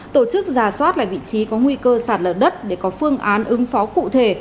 tổ chức giả soát lại vị trí có nguy cơ sạt lở đất để có phương án ứng phó cụ thể